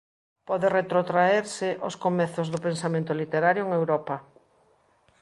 Pode retrotraerse ós comezos do pensamento literario en Europa.